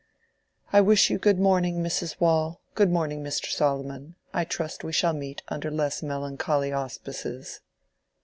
I wish you good morning, Mrs. Waule. Good morning, Mr. Solomon. I trust we shall meet under less melancholy auspices."